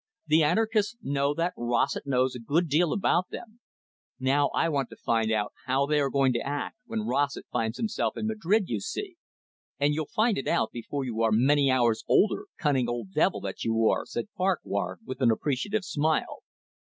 The anarchists know that Rossett knows a good deal about them. Now, I want to find out how they are going to act when Rossett finds himself in Madrid, you see." "And you'll find it out before you are many hours older, cunning old devil that you are," said Farquhar, with an appreciative smile.